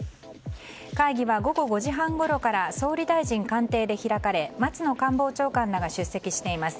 会議は午後５時半ごろから総理大臣官邸で開かれ松野官房長官らが出席しています。